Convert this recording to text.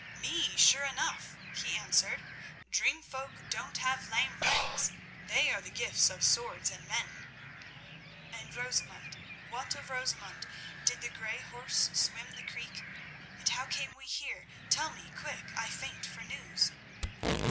"Me sure enough," he answered. "Dream folk don't have lame legs; they are the gifts of swords and men." "And Rosamund? What of Rosamund? Did the grey horse swim the creek, and how came we here? Tell me quick—I faint for news!"